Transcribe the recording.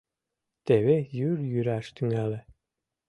Теве йӱр йӱраш тӱҥале